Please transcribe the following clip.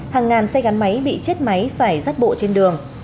hàng ngàn xe gắn máy bị chết máy phải rắt bộ trên đường